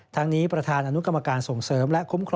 ทางนี้ประธานอนุกรรมการส่งเสริม